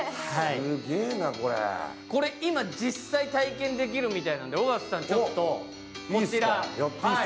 これ、今実際体験できるみたいなので、尾形さんちょっとこちら。